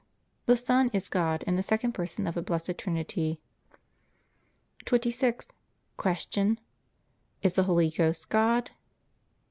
The Son is God and the second Person of the Blessed Trinity. 26. Q. Is the Holy Ghost God?